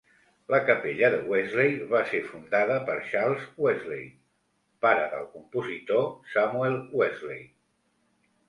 La capella de Wesley va ser fundada per Charles Wesley, pare del compositor Samuel Wesley.